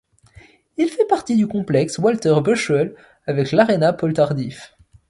Il fait partie du Complexe Walter-Buswell avec l'aréna Paul-Tardif.